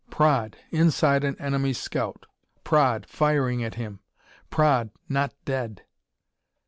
_ Praed, inside an enemy scout! Praed firing at him! Praed, not dead!